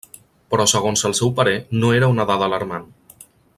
Però segons el seu parer no era una dada alarmant.